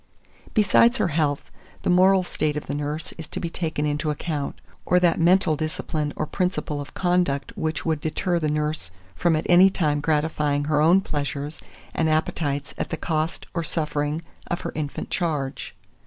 2440. Besides her health, the moral state of the nurse is to be taken into account, or that mental discipline or principle of conduct which would deter the nurse from at any time gratifying her own pleasures and appetites at the cost or suffering of her infant charge.